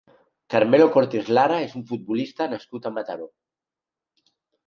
Carmelo Cortés Lara és un futbolista nascut a Mataró.